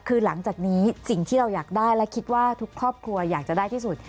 คือหลังจากนี้สิ่งที่เราอยากได้และคิดว่าทุกครอบครัวอยากจะได้ที่สุด